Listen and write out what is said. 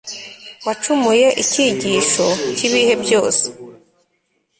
wacumuye icyigisho cyibihe byose